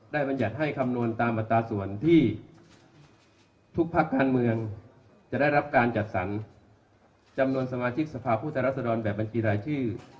บรรยัติให้คำนวณตามอัตราส่วนที่ทุกพักการเมืองจะได้รับการจัดสรรจำนวนสมาชิกสภาพผู้แทนรัศดรแบบบัญชีรายชื่อ